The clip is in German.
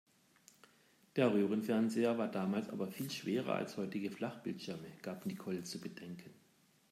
Der Röhrenfernseher war damals aber viel schwerer als heutige Flachbildschirme, gab Nicole zu bedenken.